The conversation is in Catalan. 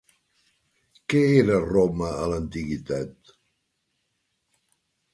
Què era Roma a l'antiguitat?